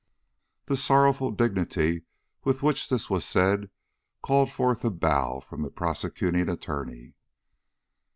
The sorrowful dignity with which this was said, called forth a bow from the Prosecuting Attorney.